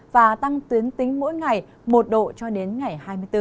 và tăng tuyến tính mỗi ngày một độ cho đến ngày hai mươi bốn